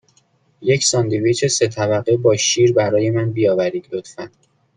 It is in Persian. یک ساندویچ سه طبقه با شیر برای من بیاورید، لطفاً.